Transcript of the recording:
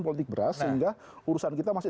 politik beras sehingga urusan kita masih